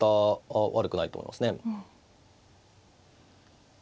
悪くないと思いますね。